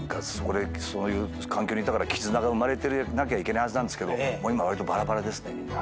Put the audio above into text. そういう環境にいたから絆が生まれてなきゃいけないはずなんですけどもう今ばらばらですねみんな。